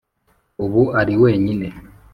ubu ari wenyine.